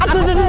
aduh aduh aduh